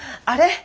あれ？